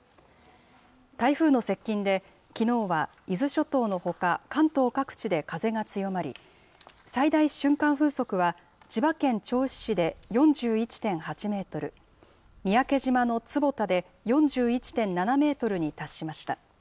台風の接近で、きのうは伊豆諸島のほか、関東各地で風が強まり、最大瞬間風速は、千葉県銚子市で４１．８メートル、三宅島の坪田で４１．７メートルに達しました。